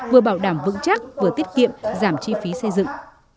vừa bảo đảm vững chắc vừa tiết kiệm giảm chi phí xây dựng